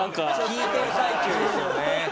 聞いてる最中ですよね。